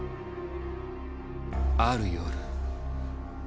ある夜。